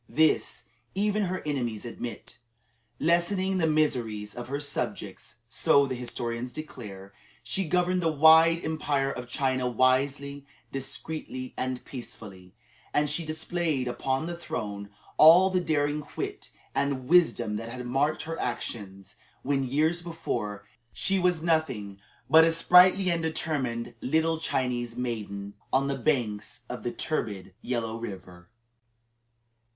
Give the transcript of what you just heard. This, even her enemies admit. "Lessening the miseries of her subjects," so the historians declare, she governed the wide Empire of China wisely, discreetly, and peacefully; and she displayed upon the throne all the daring, wit, and wisdom that had marked her actions when, years before, she was nothing but a sprightly and determined little Chinese maiden, on the banks of the turbid Yellow River.